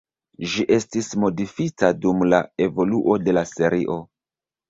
Ĝi estis modifita dum la evoluo de la serio.